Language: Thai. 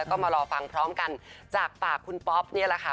ก็มารอฟังพร้อมกันจากปากคุณป๊อปนี่แหละค่ะ